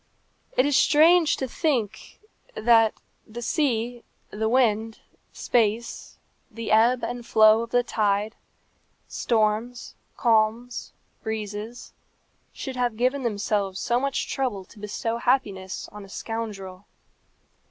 It is strange to think that the sea, the wind, space, the ebb and flow of the tide, storms, calms, breezes, should have given themselves so much trouble to bestow happiness on a scoundrel.